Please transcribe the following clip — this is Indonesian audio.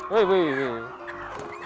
wih wih wih